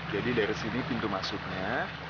jadi dari sini pintu masuknya